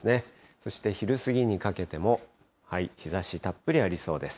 そして昼過ぎにかけても、日ざしたっぷりありそうです。